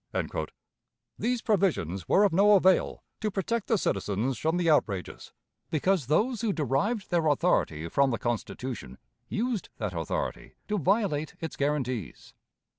These provisions were of no avail to protect the citizens from the outrages, because those who derived their authority from the Constitution used that authority to violate its guarantees.